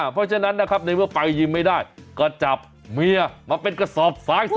เพราะฉะนั้นนะครับในเมื่อไปยืมไม่ได้ก็จับเมียมาเป็นกระสอบซ้าย๒